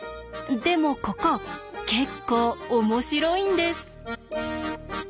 でもここ結構面白いんです。